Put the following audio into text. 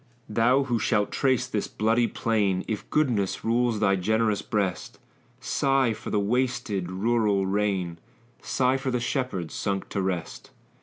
Thou who shalt trace this bloody plain, If goodness rules thy generous breast, Sigh for the wasted, rural reign; Sigh for the shepherds, sunk to rest!